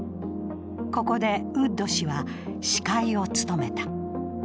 ここでウッド氏は司会を務めた。